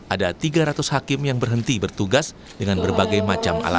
ada tiga ratus hakim yang berhenti bertugas dengan berbagai macam alasan